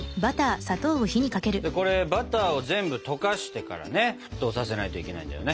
これバターを全部溶かしてからね沸騰させないといけないんだよね。